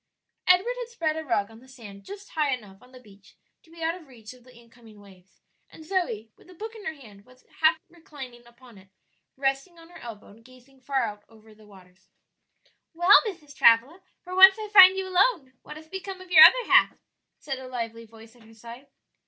Edward had spread a rug on the sand just high enough on the beach to be out of reach of the incoming waves, and Zoe, with a book in her hand, was half reclining upon it, resting on her elbow and gazing far out over the waters. "Well, Mrs. Travilla, for once I find you alone. What has become of your other half?" said a lively voice at her side.